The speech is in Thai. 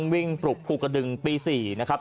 วิ่งปลุกภูกระดึงปี๔นะครับ